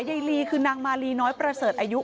ยายลีคือนางมาลีน้อยประเสริฐอายุ